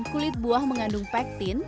kulit buah mengandung pektin